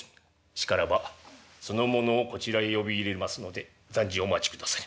「しからばその者をこちらへ呼び入れますので暫時お待ちくだされ。